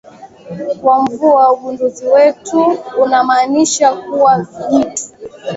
wa mvua ugunduzi wetu unamaanisha kuwa jitu